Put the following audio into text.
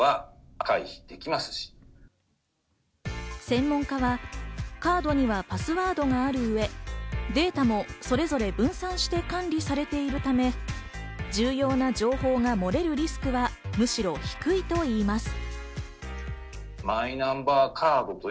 専門家はカードにはパスワードがある上、データもそれぞれ分散して管理されているため、重要な情報が漏れるリスクはむしろ低いと言います。